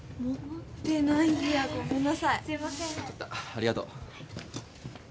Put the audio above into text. ありがとう。